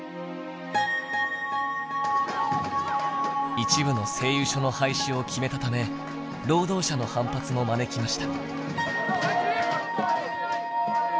一部の製油所の廃止を決めたため労働者の反発も招きました。